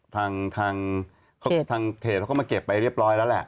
ทางเพจเขาก็มาเก็บไปเรียบร้อยแล้วแหละ